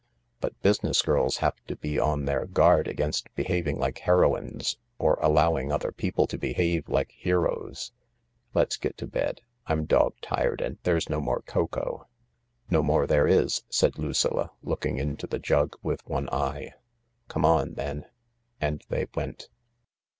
But business girl$ have to be on their guard against behaving like heroines or allowing other people to behave like heroes. Let's get to bed. I'm dog tired and there's no more cocoa." " No more there is," $aid Lucilla, looldug into the jug with one eye. " Come on then." And they went.